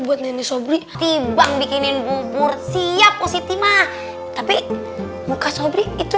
buat nenek sobrin tiba bikinin bubur siap pak setan tapi muka sobrin itu